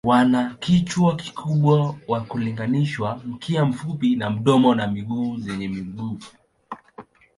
Wana kichwa kikubwa kwa kulinganisha, mkia mfupi na domo na miguu zenye nguvu.